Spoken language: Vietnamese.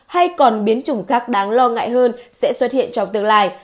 hay còn biến chủng khác đáng lo ngại hơn sẽ xuất hiện trong tương lai